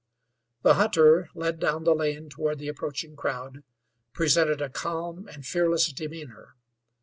The hunter, led down the lane toward the approaching crowd, presented a calm and fearless demeanor.